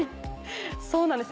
そうなんです